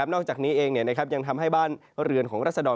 นอกจากนี้เองยังทำให้บ้านเรือนของรัศดร